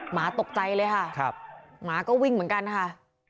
หมาตกใจเลยค่ะหมาก็วิ่งเหมือนกันค่ะ